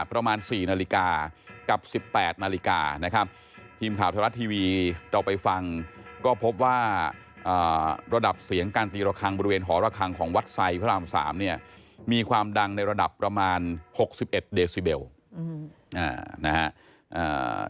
ระดับเสียงการตีระคังบริเวณหอระคังของวัดใส่พระอำสามเนี่ยมีความดังในระดับประมาณหกสิบเอ็ดเดซิเบลอืมอืมนะฮะอ่า